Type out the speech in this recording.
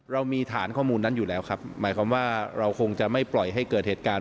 เรามีฐานข้อมูลนั้นอยู่แล้วครับหมายความว่าเราคงจะไม่ปล่อยให้เกิดเหตุการณ์